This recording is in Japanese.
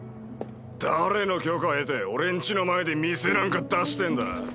誰の許可を得て俺ん家の前で店なんか出してんだ？